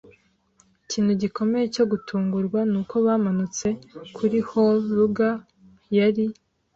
ikintu gikomeye cyo gutungurwa nuko bamanutse kuri Hole lugger yari